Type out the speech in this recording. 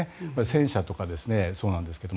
戦車とかそうなんですけど。